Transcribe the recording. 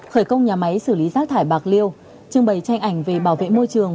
khởi công nhà máy xử lý rác thải bạc liêu trưng bày tranh ảnh về bảo vệ môi trường